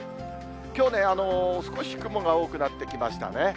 きょう、少し雲が多くなってきましたね。